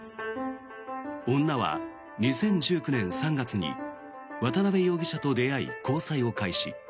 女は２０１９年３月に渡邉容疑者と出会い交際を開始。